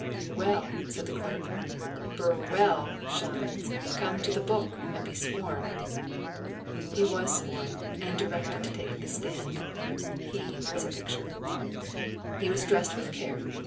"Well," said the clerk, "Bur well Shines, come to the book, and be sworn." He was sworn, and directed to take the stand. He was a picture! He was dressed with care.